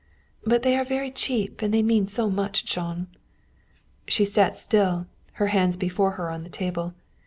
"But they are very cheap, and they mean so much, Jean." She sat still, her hands before her on the table.